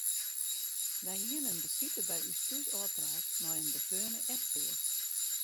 Wy hiene in besite by ús thús ôfpraat mei in befreone echtpear.